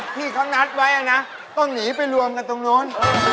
ที่เขานัดไว้นะต้องหนีไปรวมกันตรงนู้น